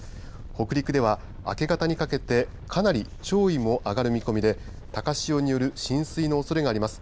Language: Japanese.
北陸では明け方にかけてかなり潮位も上がる見込みで高潮による浸水のおそれがあります。